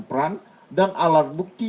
peran dan alat bukti